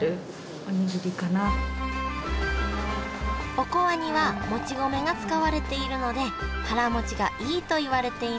おこわにはもち米が使われているので腹もちがいいといわれています